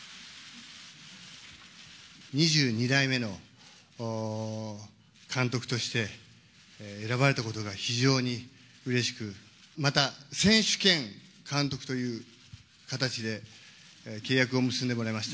２２代目の監督として、選ばれたことが非常にうれしく、また選手兼監督という形で契約を結んでもらいました。